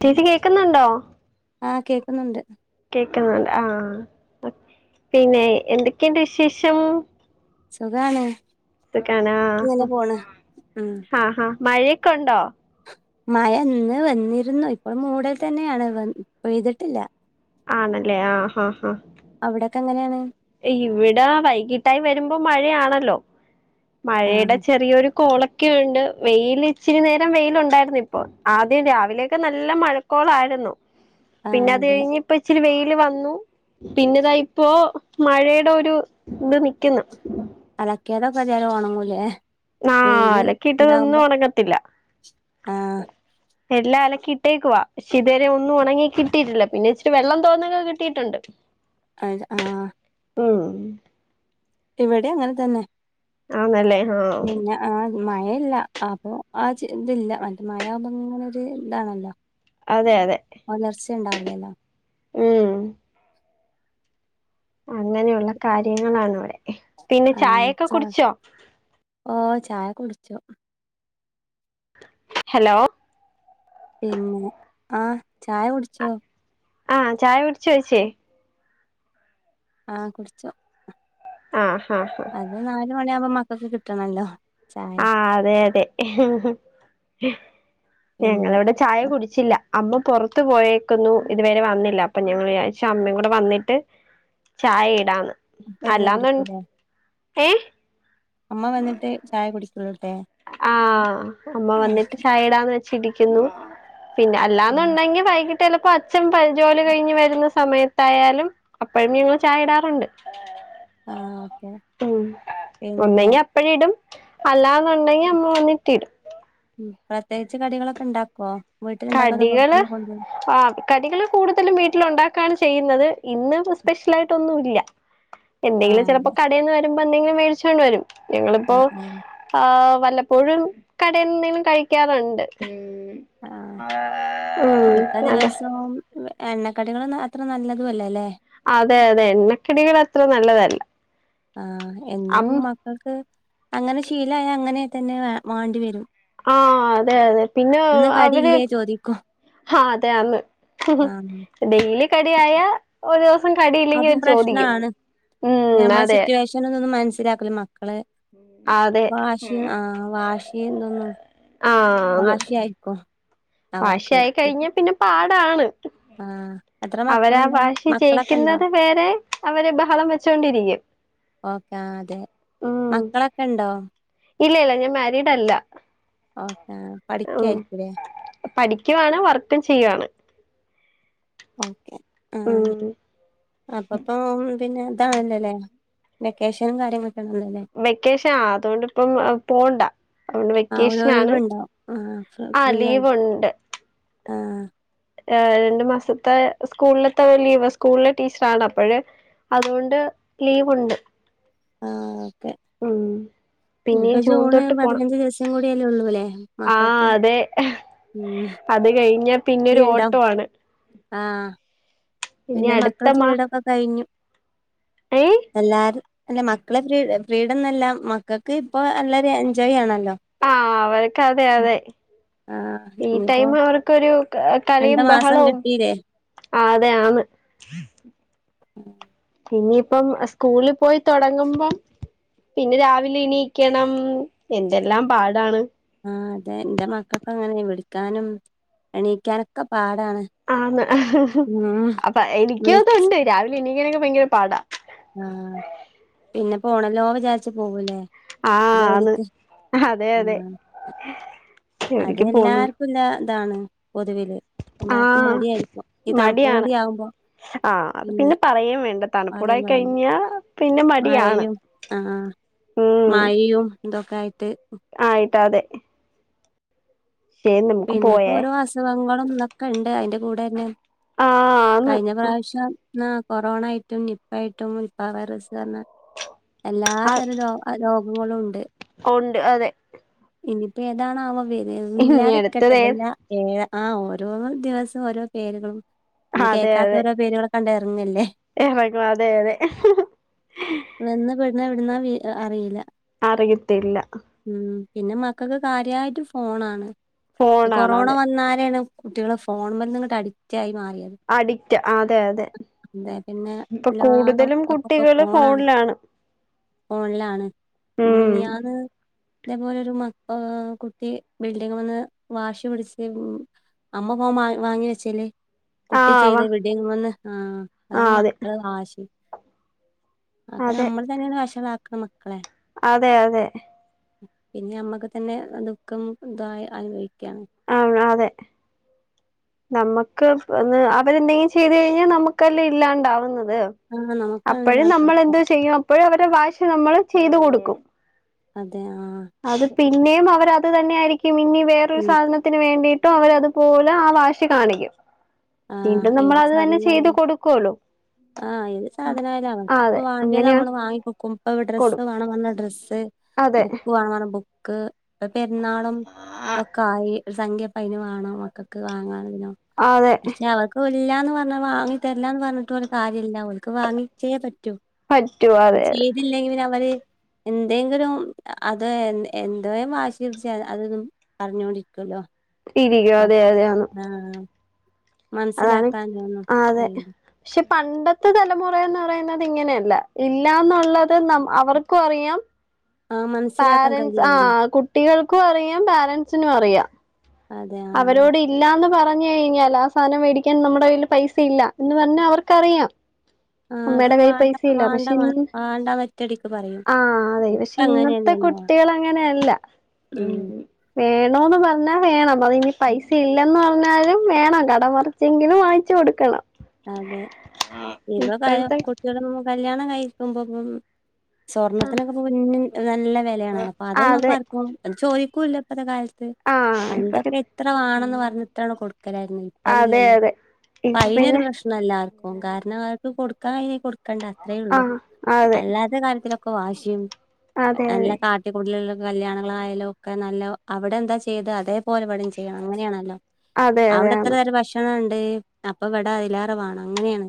ചേച്ചി കേക്കുന്നുണ്ടോ ക്കുന്നുണ്ട് കുന്നുണ്ട് ആ പിന്നെ എന്തൊക്കെയുണ്ട് വിശേഷം സുഖാണ് സുഖാണോ ഇങ്ങനെ പോണ് ഉം ഹ ഹാ മഴയൊക്കെ ഉണ്ടോ മഴ ഇന്ന് വന്നിരുന്നു ഇപ്പൾ മൂടൽ തന്നെയാണ് പെയ്തിട്ടില്ല ആണല്ലേ ആ ഹ ഹ അവിടെക്കെ എങ്ങനെയാണ് ഇവിടെ വൈകിട്ടായി വരുമ്പോ മഴയാണല്ലോ മഴയുടെ ആഹ് ചെറിയൊരു കൊളക്കെയുണ്ട് വെയ്ൽ ഇച്ചിരി നേരം വെയില് ഉണ്ടായിരുന്നു ഇപ്പോആദ്യം രാവിലെയൊക്കെ നല്ല മഴകോ ലായിരുന്നു പിന്നെ ആഹ് അത് അതെ കഴിഞ്ഞ് ഇപ്പ ഇച്ചിരി വെയില് വന്നു പിന്നെ താ ഇപ്പോ മഴയുടെ ഒരു ഇത് നിക്കുന്നു അലക്കെതൊക്കെ തായാലും ഓണങ്ങൂല്ലേ ആ അലക്കി ഇട്ടതൊന്നും ഉണങ്ങത്തില്ല ആഹ് എല്ലാം അലക്കി ഇട്ടേക്കുവാ പക്ഷേ ഇതുവരെ ഒന്നും ഉണങ്ങി കിട്ടിയിട്ടില്ല പിന്നെ ഇച്ചിരി വെള്ളം തോർന്നൊക്കെ കിട്ടിയിട്ടുണ്ട് അ ആ ഉം ഇവിടെ അങ്ങനെ തന്നെ ആന്നല്ലേ ആഹ് പിന്നെ ആ മഴയില്ല അപ്പൊ ആ ഇതില്ല മറ്റേ മഴാവുമ്പൊ ഇങ്ങനെ ഒരു ഇതാണല്ലോ അതെ അതെ ണ്ടാവുല്ലലേ ഉം അങ്ങനെയുള്ള കാര്യങ്ങളാണ്‌ ഇവിടെ പിന്നെ ആഹ് ചായൊക്കെ ച കുടിച്ചോ ഓ ചായ കുടിച്ചോ ഹലോ എങ്ങനെ ആ ചായ കുടിച്ചോ ആ ചായ കുടിച്ച് വച്ചേ ആ കുടിച്ചോ ആ ഹ ഹാ മണി ആവുമ്പോ മക്കക്ക് കിട്ടണല്ലോ ചായ ആ അതെ അതെ പിന്നെ ഞങ്ങളവിടെ ചായ കുടിച്ചില്ല അമ്മ പുറത്ത് പോയേക്കുന്നു ഇതുവരെ വന്നില്ല അപ്പൊ ഞങ്ങള് ചാരിച്ചു അമ്മയും കൂടെ വന്നിട്ട് ചായ ഇടാന്ന് അപ്പ ഇരുന്നു കുടിക്കുല്ലേ ഏ അമ്മ വന്നിട്ട് ചായ കുടി ആ അമ്മ വന്നിട്ട് ചായടാന്ന് വെച്ചിരിക്കുന്നു പിന്നെ ആഹ് അല്ലാന്നുണ്ടെങ്കി വൈകി ചിലപ്പോ അച്ഛൻ ജോലി കഴിഞ്ഞ് വരുന്ന സമയത്തായാലും അപ്പഴും ഞങ്ങള് ചായ ഇടാറുണ്ട് ഓക്കെ ഉം പിന്നെ ഒന്നെങ്കി അപ്പഴ ഇടും അല്ലാ ഒണ്ടെങ്കി അമ്മ വന്നിട്ടിടും ഉം പ്രത്യേകിച്ച് കടികളൊക്കെ ഉണ്ടാക്കോ കടികള് ആ കടികള് കൂടുതലും വീട്ടില് ഉണ്ടാക്കാൻ പെയ്യുന്നത് ഇന്ന് സ്പെഷ്യലായിട്ട ഒന്നുംല്ലാ എന്തെങ്കിലും ആഹ് ചെലപ്പോ അതെ കാടേന്ന് വരു പ്പം എന്തെങ്കിലും മേടിചോണ്ട് വരും ആഹ് ആഹ് വല്ലപ്പോഴും കടേന്നു എന്തേലും കഴിക്കാറുണ്ട് ആ ഉം മിക്ക അതെ ദിവസവും എണ്ണക്കടികൾ അത്ര നല്ലതുല്ലേ അല്ലേ അതെ അതെ എണ്ണക്കെടികൾ അത്ര നല്ലതല്ല ആഹ എന്നും അം മക്കൾക്ക് അങ്ങനെ ശീലായ അങ്ങനെ തന്നെ മാണ്ടിവരും ആഹ അതെ അതെ പിന്നെ അവര് കടിയില്ലേ ചോദിക്കും ആഹ അതെന്ന് ആഹ് ഡെയിലി കട ആയ ഒരസ അതും പ്രശ്നണ് ഉം ഞമ്മളെ അതെ സിറ്റുവേഷൻ ഒ ഒന്ന് മനസ്സിലാക്കല മക്കള് അതെ വാശി ആഹ വാശി എന്തൊന്നും വഷിയ ആയിക്കോ വാശ ആയി കഴിഞ്ഞ പിന്നെ പാടാണ് ആ എത്ര അവരാ മക്കളുണ്ട് ഭാഷി മക്കളൊക്കെ ഉണ്ടോ ജയിക്കുന്നത് വേരെ അവര് ബഹളം വെച്ചൊണ്ടിരിക്കും. ഓക്കെ അതെ മക്കളൊക്കെ ഉണ്ടോ ഇല്ല ഇല്ല ഞാൻ മാരിഡ് അല്ല ഓക്കെ ആ ഉ പഠിക്കായിരിക്കൂലേ പഠിക്കുവാണ് വർക്കും ചെയ്യുവാണ് ഓക്കെ ആ ഉം അപ്പപ്പ പിന്നെ ഇതാണല്ലല്ലേ വെക്കേഷനും കാര്യങ്ങളൊക്കെ ആണല്ലോല്ലേ വെക്കേഷൻ ആ അതുകൊണ്ട് ഇപ്പം പോണ്ടാ അതൊണ്ട് ആ ഒരു വെക്കേഷൻ ആണ് ഒഴിവുണ്ടാവും ആ ഫ്രീ ആയി ആലീവുണ്ട്. ആ രണ്ടു മാസത്തെ സ്കൂളിലത്തെ ലീവ് സ്കൂളിലെ ടീച്ചറാണ് അപ്പോഴ അതുകൊണ്ട് ലീവുണ്ട്. ആ ഓക്കെ ഉം പിന്നെ ഇപ്പൊ ജൂണ് പതിനഞ്ച് ദിവസം കൂടിയല്ലേ ഉള്ളൂല്ലേ ആഹ മക്കൾക്ക് അതെ ഉം അത് കഴിഞ്ഞ ഫ്രീ പിന്നെരു ഉണ്ടാവും ഓട്ടോ ആണ് ആ ഇനി പിന്നെ അടുത്ത മക്കളെ മാ ഫ്രീടൊക്കെ കഴിഞ്ഞു ഏ എല്ലാരും അല്ല മക്കളെ ഫ്രീ ഫ്രീഡം എന്നല്ല മക്കൾക്ക് ഇപ്പൊ നല്ലരു എൻജോയ് ആണല്ലോ ആ അവർക്ക് അതെ അതെ ആഹ് ഈ ഇനിയിപ്പോ ടൈം അവർക്കൊ ഒരു രണ്ട് കളിയും മാസം ബഹളവും. കിട്ടീല്ലേ ആ അതെ ആന്ന് ഉം [unintelligible] ഇനിയിപ്പം സ്കൂളിൽ പോയി തൊടങ്ങുമ്പം പിന്നെ രാവിലെ എണീക്കണം എന്തെല്ലാം പാടാണ്. ആ അതെ എന്റെ മക്കൾക്ക് അങ്ങനെ വിളിക്കാനും എണീക്കാനൊക്കെ പാ ആന്ന് അപ്പൊ എനിക്ക വിളി അത്ണ്ട് രാവിലെ എനിക്കനൊക്കെ ഭയങ്കര പാടാ ആഹ്. പിന്നെ പോണല്ലോ വിചാരിച് പോവൂല്ലേ ആഹ് ആന്ന് ജോലിക്ക് അതെ ആ അതെ അത് ജോലിക്ക് പോണു എല്ലാർക്കുംല്ല ഇതാണ്. പൊതുവില് എല്ലാർക്കും ആഹ് മടിയായിരിക്കും ഈ തണുപ്പും കൂടി ആകുമ്പോ ആ... അത് പിന്നെ പറയാൻ വേണ്ട പറയും തണുപ്പൂടായി വേണ്ട കഴിഞ്ഞാ പിന്നെ മടിയാണ് മഴയും ആഹ ഉം മയും ഇതൊക്കെ ആയിട്ട് പിട്ടാതെ പിന്നെപ്പോ പോയേ ഓരോ അസുഖങ്ങളും. ന്നൊക്കെ ഉണ്ട് അയിന്റെ കൂടെ തന്നെ ആഹ് ആന്ന് കഴിഞ്ഞ പ്രാവശ്യം കൊറോണ ആയിട്ടും നിപ്പ ആയിട്ടും നിപ്പ വൈറസാ പറഞ്ഞാ എല്ലാ ആഹ് തരം രോഗ അ മോളും ഉണ്ട് [unintelligible] ഉണ്ട് അതെ ഇനിയിപ്പോ ഏതാണാവ വെര.. ഒന്നു ഇനി അടുത്തത് ഇല്ലതിക്കട്ടെ.. ഏത് ഏ ആ ഓരോ ദിവസം ഓരോ പേരുകളും നമ്മൾ കേക്കാത്ത ഓരോ പേരുകളൊക്കെ ഇറങ്ങല്ലേ എക്ക അതെ അതെ [unintelligible] പി എവിടുന്നാ അറിയില്ല. അറിയത്തില്ല. ഉം പിന്നെ മക്കൾക്ക് കാര്യമായിട്ട് ഫോണാണ് ഈ ഫോണാണ് കൊറോണ അതെ വന്നാരെണ് കുട്ടികള് ഫോൺമ്മങ്ങട്ട് അഡിക്റ്റ് ആയി മാറി അതെ അഡിക്റ്റ് അതെ അതെ ഇപ്പൊ പിന്നെല്ലാ കൂടുതലും മക്കക്കിപ്പോ കുട്ടികള് ഫോണാണ് ഫോണിലാണ് ഫോണിലാണ്... ഉം മിന്നിയാന്ന് ഇതേപോലെ ഒരു മ കുട്ടി ബിൽഡിംങ്ങ്മെന്ന് വാശി പിടിച്ചിട്ട് അമ്മ ഫോൺ വാങ്ങി വെചേല് കുട്ടി ആഹ് വ ചെയ്തെ.. ബിൽഡിങ്മ്മന്ന്.. ആ അത ആഹ് അതെ മക്കള വാശി ഒക്കെ അതെ നമ്മൾ തന്നെയാണ് വഷളാക്കണേ മക്കളെ അതെ അതെ പിന്നെ ഞമ്മക്ക് തന്നെ ദുഃഖം അനുഭവി ആ അതെ നമുക്ക്ന്ന് അവരെന്തെങ്കിലും ചെയ്തു കഴിഞ്ഞാൽ നമുക്കല്ലെ ഇല്ലാണ്ടാവുന്നത് അതെ ആ നമുക്കാണല്ലോ അപ്പോഴും അത്. നമ്മൾ എന്തോ ചെയ്യും അപ്പോഴും അവരുടെ വാശി നമ്മൾ ചെയ്തു കൊടുക്കും അതെ ആ അത് പിന്നെയും അവർ അത് തന്നെ ആയിരിക്കും ഇനി വേറൊരു പിന്നെ സാധനത്തിന് വേണ്ടിട്ട് ട്ടും അവരതുപോലെ ആ വാശി കാണിക്കും ആ വീണ്ടും നമ്മൾ ഏത് അത് തന്നെ ചെയ്ത് സാധനമായാലും കൊടുക്കോലോ [inaudible] ആഹ് ഏത് സാധനായാലും അവര്ക് പ്പൊ അതെ വാണ്ടീത് അങ്ങനെയാ നമ്മൾ വാങ്ങി കൊടുക്കും പ്പൊ ഡ്രസ്സ്‌ കൊടുക്കും വാണം പറഞ്ഞ ഡ്രസ്സ്‌ അതെ ബുക്ക് വാങ്ങണം ബുക്ക്.. പ്പൊ പെരുന്നാളും തൊക്കെ ആയി ഒരു സംഖ്യപ്പൊ അയിന് വാണം മക്കക്ക് വാങ്ങാൻ ആഹ് അതെ പക്ഷെ അവക്ക് ഇല്ലാന്ന് പറഞ്ഞ് വാങ്ങി തര്ല്ല ന്ന് പറഞ്ഞിട്ട് ഒരു കാര്യ ല്ല ഓൽക്ക് വാങ്ങിച്ചെ പറ്റൂ, പറ്റൂ അതെ അത് അതെ ചെയ്തില്ലെങ്കിൽ പിന്നെഅവര് എന്തെങ്കിലും, അത് എന്തേ വാശിടു ച്ചാല് അത് പറഞ്ഞോണ്ടിരിക്കുല്ലോ ഇരിക, അതെ അതെയാണ് അതാണ്. മനസ്സിലാക്കാനൊന്നും ആ അതെ കഴിയില്ല പക്ഷെ പണ്ടത്തെ തലമുറേന്ന് പറയുന്നത് ഇങ്ങനെയല്ല. ഇല്ലാന്നുള്ളത് ന അവർക്കും അറിയാം ആഹ് മനസ്സിലാക്കാൻ പാരൻറ്സ് ആ കഴിയായിരുന്നു കുട്ടികൾക്കും അറിയാം പാരൻറ്സിനും അറിയാം അതെ ആഹ് അവരോട് ഇല്ലാന്ന് പറ പറഞ്ഞയിഞ്ഞാലാസാനം വേടിക്യാൻ നമ്മെടെ കയ്യില് പൈസ ഇല്ല, എന്ന് പറഞ്ഞ അവർക്കറിയ ആഹ് അത് അമ്മേടെ വാണ്ട കയ്യ്പൈസ ഇല്ല വാണ്ട പക്ഷെ വാ- വാണ്ടാന്ന് ഒറ്റടിക്ക് പറയും ആ ഇപ്പ ഇന്നത്തെ അങ്ങനെയല്ലല്ലോ കുട്ടികള് അങ്ങനെയല്ല, ഉം വേണോന്ന് പറഞ്ഞാ വേണം അതിനി പൈസ ഇല്ലന്ന് പറഞ്ഞാലും വേണം, കടമറിച്ചെങ്കിലും വാങ്ങിച്ചു കൊടുക്കണം അതെ ഇപ്പൊ ഇപ്പോഴത്തെ പഴേകുട്ടികള് കല്യാണം കഴിക്കുമ്പോം സ്വർണ്ണത്തിനൊക്കെപ്പൊ നല്ല വെ ലയാണല്ലോ അപ്പൊ അതെ അതൊന്നുപ്പാർക്കും, ചോദിക്കൂല്ല ഇപ്പത്തെ കാലത്ത് ആഹ് ഇപ്പൊക്കെ പണ്ടൊക്കെ ഇത്ര വാണംന്ന് പറഞ്ഞിട്ടാണ് കൊടുക്കലായിരുന്ന്. ഇപ്പതില്ലല്ലോ ഇപ്പ പിന്നെ എല്ലാവർക്കും കാരണം അവർക്ക് കൊടുക്കാൻ കഴിഞ്ഞല്ലെങ്കി കൊടുക്കണ്ട അത്രേ ഉള്ളൂ. ആഹ് അതെ അല്ലാത്ത കാര്യതിലൊക്കെ ക്കെവാശിയും അതെ അതെ എല്ല കാട്ടിക്കൂട്ടലെല്ല കല്യാണങ്ങളായാലും ഒക്കെ നല്ല അവിടെ എന്താ ചെയ്ത് അതേപോലെ ഇവടിം ചെയ്യണം അങ്ങനെയാണല്ലോ അതെ അതെ അവിടെ എത്ര ആണ് തരം ഭക്ഷണണ്ട്, അപ്പൊ വടെ അതിലാറ വാണം അങ്ങനേണ്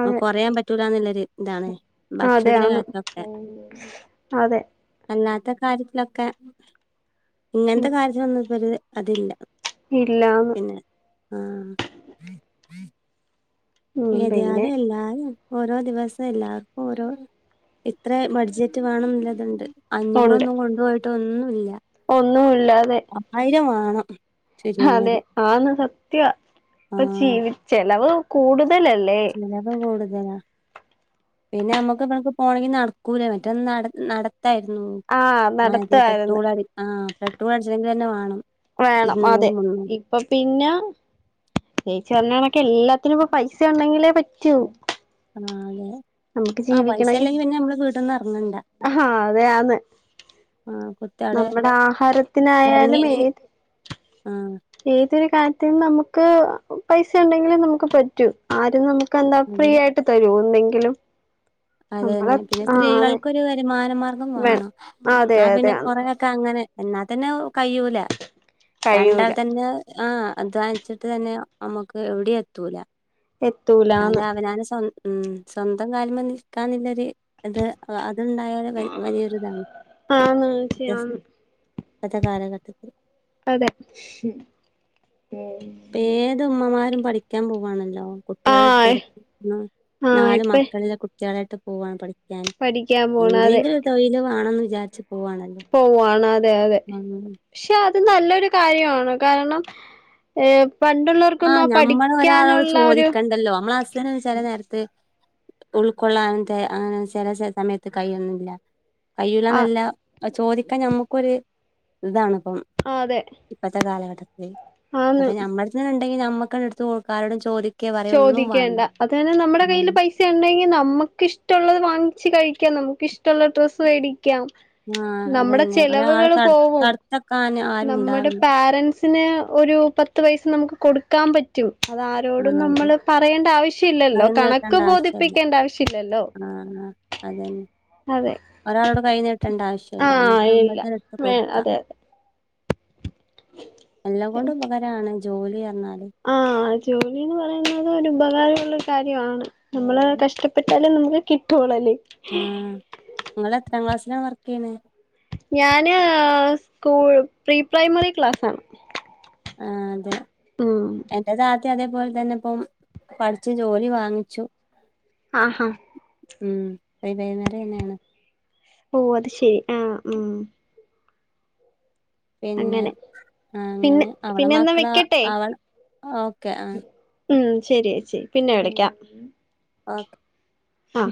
അതെ കൊറയാൻ പറ്റൂലന്ന്ല്ലൊരു താണ് അതെ ഭക്ഷണത്തിന്റെ ആണ് കാര്യത്തിലൊക്കെ അതെ അല്ലാത്ത കാര്യത്തിലൊക്കെ, ഇങ്ങനത്തെ ഉം കാര്യത്തിലൊന്നും ഇപ്പത് അതില്ല ഇല്ലാ, ആഹ് ഉം ഏത് പിന്നെ അതല്ലാ.. ഓരോ ദിവസം എല്ലാർക്കും ഓരോ ഇത്ര ബഡ്ജറ്റ് വേണംന്നുള്ളതുണ്ട് ഉണ്ട് അഞ്ഞൂറൊന്നും കൊണ്ടുപോയിട്ട് ഒന്നുല്ല, ഒന്നുമില്ലാതെ പത്തായിരം വാണം അതെ ആന്ന് സത്യ ആ ഇപ്പ ജീവ ചിലവ് കൂടും [unintelligible] അത പിന്നെ നമ്മക്ക് ഇ പോണെങ്കിൽ നടക്കൂല മറ്റെ നട നട ക്കായിരുന്നു. ആഹ് അത് നടത്തുവാരുന്ന് പെട്രോൾ അടി് ക്കണം, പെട്രോൾ അടിച്ചണെങ്കിലെന്നെ വേണം വേണം ഇരുന്നൂറ് അതെ, മുന്നൂറ് ഇപ്പൊ പിന്ന, ചേച്ചി പറഞ്ഞണ എല്ലാത്തിനുപ്പൊ പൈസ ഉണ്ടെങ്കിലേ പറ്റൂ. നാലെ നമുക്ക് ആ പൈസ ജീവിക്കണെങ്കി ഇല്ലെങ്കി പിന്നെ ഞമ്മള് വീട്ട്ന്ന് എറങ്ങണ്ട ആഹാ അതെ ആന്ന് ആ കൊ നമ്മുടെ ആഹാരത്തിനായാലും ഏത്, ആഹ് ഏത് ഒരു കാര്യത്തിന് നമുക്ക്.. പൈസ ഉണ്ടെങ്കിലേ നമുക്ക് പറ്റൂ, ആരും നമു- ക്കെന്താ ഫ്രീ അതെ ആയിട്ട് തരോ എന്തെങ്കിലും അത് നമ്മളെ തന്നെ പിന്നെ ആ അതെ സ്ത്രീകൾക്കൊരു വരുമാനമാർഗം വേണം വാണം, അതെ ന്നാ അതെ പിന്നെ ആന്ന് കൊറെ അങ്ങനെ എന്നാത്തന്നെ കയ്യൂല കഴിയൂല രണ്ടാൾതന്നെ ആ അധ്വാനിച്ചിട്ട് തന്നെ നമ്മുക്ക് എവിടീം എത്തൂല അല്ല എത്തൂലാന്ന് അവനാന് സ്വം ഉം സ്വന്തം കാലിംമ്മേ നിൽക്കാന്നില്ലൊര് അത് അ അത്ണ്ടായാലും വലിയൊരിതാണ് ആ ഇപ്പത്തെ ചെയ്യാം ഇപ്പത്തെ കാലഘട്ടത്തിൽ അതെ മ്മ്ഹ് ഏത് ഉമ്മമാരും പഠിക്കാൻ പോവാണല്ലോ, കുട്ടികളട്ടി ആഹ് [unintelligible] ആഹ് നാല് ഇപ്പ മക്കള്ള്ള കുട്ടികളായിട്ട് പോവാണ് പഠി ഞാൻ പഠിക്കാൻ പോണ് അതെ എന്തെങ്കിലും ഒരു തൊഴില് വേണന്ന് വിചാരിച് പോവാണ് അതെ അതെ ക്ഷെ ത് നല്ലൊരു കാര്യാണ് കാരണം ഏ ആ ഞമ്മളൊരാളോട് ഒരു ചോദിക്കണ്ടല്ലോ നമ്മളെ അസ്ച്ഛന് ചെല നേരത്ത് ഉൾക്കൊള്ളാനെന്തെ ആ ചെല സെ സമയത്ത് കഴിയുന്നില്ല ആ കയൂന്നല്ല ചോദിക്കാൻ ഞമ്മക്കൊരു ഇതാണ് പ്പം അതെ ഇപ്പത്തെ കാലഘട്ടത്തി ആന്ന് അപ്പ ഞമ്മള് ഇന്ടെങ്കിൽ ഞമ്മകങ്ങിട്ത് കൊടുക്ക ആരോടും ചോദി ചോദിക്കേണ്ട അത് തന്നെ നമ്മുടെ കയ്യിൽ പൈസണ്ടെങ്കി നമുക്ക് ഇഷ്ടള്ളത് വാങ്ങിച്ച് കഴി - നമുക്കിഷ്ടള്ള ഡ്രസ്സ് വേടിക്കാം ആഹ് നമ്മുടെ അതന്നെ ഒരാളെ ചെലവുകള് പോവും തടുത്തെക്കാൻ ആരും നമ്മുടെ ഉണ്ടാവില്ല പാരൻറ്സിന് ഒരു പത്ത് പൈസ നമുക്ക് കൊടുക്കാൻ പറ്റും അതാരോടും ആഹ് നമ്മള് അതെ കൈ പറയേണ്ടാവശ്യല്ലല്ലോ കണക്ക് നീട്ടേണ്ട ബോധിപ്പിക്കേണ്ടാവശ്യല്ലല്ലോ അ അതെന്നെ ഒരാള് ട് കൈ നീട്ടണ്ട ആവശ്യ ല്ല ആഹ് നമ്മക്ക് ഇല്ല അന്നേ രട്ത്ത് വേ കൊടുക്കാ അതെ അതെ എല്ലാംകൊണ്ടും ഉപകാരാണ് ജോലിറി ഞ്ഞാല് ആഹ് ജോലിന്ന് പറയുന്നത് ഒരു ഉപകാരോള്ള കാര്യമാണ് നമ്മള് കഷ്ടപ്പെട്ടാലും നമുക്ക് കിട്ടുള്ളല്ലേ ആ ങ്ങള് എത്രാം ക്ലാസ്സിലാ വർക്ക് ചെയ്യ്ണെ ഞാന്--സ്കൂൾ പ്രീ പ്രൈമറി ക്ലാസ്സാണ് ആ അതെ മ് എന്റേത് അതേപോലെ തന്നെപ്പം പഠി ച്ച് ജോലി വാങ്ങിച്ചു ആഹ ഉം [unintelligible] ഓ അത് ശരി ആ ഉം പിന്നെ അങ്ങനെ ആ പിന്നെ അങ്ങനെ അവളെ പിന്നെ എന്നാ മക്കള വെക്കട്ടെ അവൾ ഓക്കെ ആ ഉം ശരി ഏച്ചി പിന്നെ വിളിക്കാം ഓക്കെ ആ